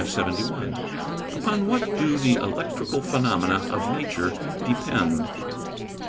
_Upon what do the electrical phenomena of nature depend?